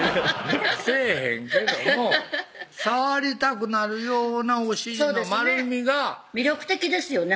せぇへんけども触りたくなるようなお尻の丸みが魅力的ですよね